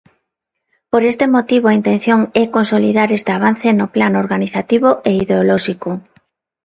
Por este motivo a intención é consolidar este avance no plano organizativo e ideolóxico.